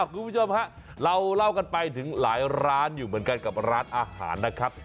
คุณผู้ชมฮะเราเล่ากันไปถึงหลายร้านอยู่เหมือนกันกับร้านอาหารนะครับ